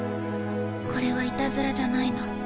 これはいたずらじゃないの。